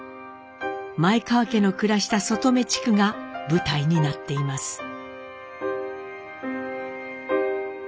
前川家の暮らした外海地区が舞台になっています。